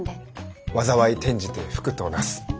「災い転じて福となす」。